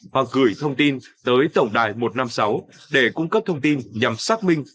hoặc gửi thông tin tới tổng đài một trăm năm mươi sáu để cung cấp thông tin nhằm xác minh